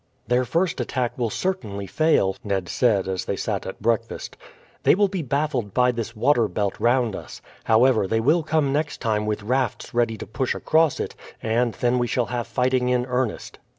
"Their first attack will certainly fail," Ned said, as they sat at breakfast. "They will be baffled by this water belt round us. However, they will come next time with rafts ready to push across it, and then we shall have fighting in earnest."